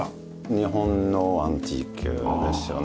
日本のアンティークですよね。